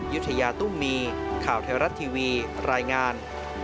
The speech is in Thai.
ยุธยาตุ้มมีข่าวไทยรัฐทีวีรายงาน